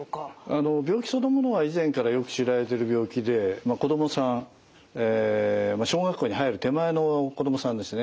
あの病気そのものは以前からよく知られている病気で子どもさんえ小学校に入る手前の子どもさんですね。